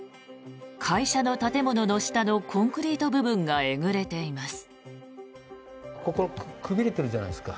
会社の建物の下のコンクリート部分がえぐれています。